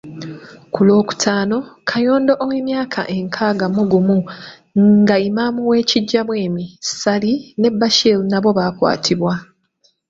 Ku Lwokutaano, Kayondo ow'emyaka enkaaga mu gumu nga Imaam w'e Kijjabwemi, Ssali ne Bashir nabo baakwatibwa.